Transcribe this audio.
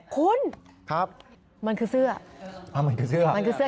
คุณมันคือเสื้อมันคือเสื้อ